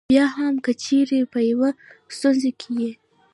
بیا هم که چېرې په یوې ستونزه کې یې.